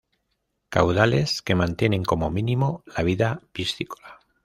caudales que mantienen como mínimo la vida piscícola